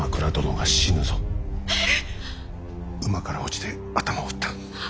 馬から落ちて頭を打った。